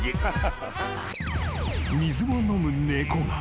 ［水を飲む猫が］